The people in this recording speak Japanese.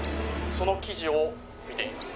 その記事を見ていきます